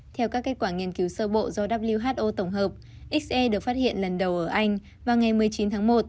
theo các kết quả nghiên cứu sơ bộ do who tổng hợp xê được phát hiện lần đầu ở anh vào ngày một mươi chín tháng một